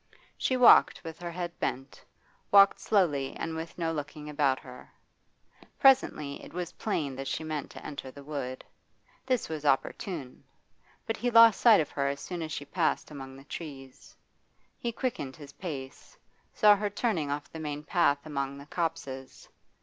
She walked with her head bent, walked slowly and with no looking about her. Presently it was plain that she meant to enter the wood. This was opportune. But he lost sight of her as soon as she passed among the trees. He quickened his pace; saw her turning off the main path among the copses.